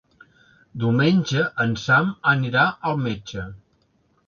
Diumenge en Sam anirà al metge.